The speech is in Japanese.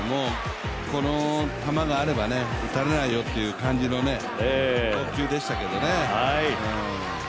この球があれば打たれないよという感じの投球でしたけどね。